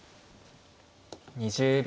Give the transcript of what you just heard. ２０秒。